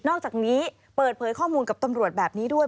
อกจากนี้เปิดเผยข้อมูลกับตำรวจแบบนี้ด้วย